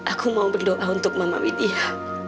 aku mau berdoa untuk mama widya